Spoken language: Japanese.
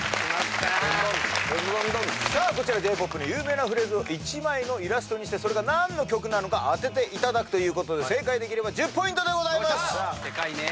こちらＪ−ＰＯＰの有名なフレーズを１枚のイラストにしてそれが何の曲なのか当てていただくということで正解できれば１０ポイントでございます。